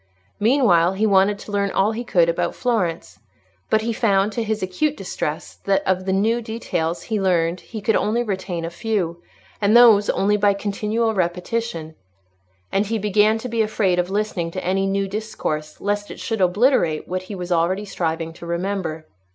Meanwhile, he wanted to learn all he could about Florence. But he found, to his acute distress, that of the new details he learned he could only retain a few, and those only by continual repetition; and he began to be afraid of listening to any new discourse, lest it should obliterate what he was already striving to remember.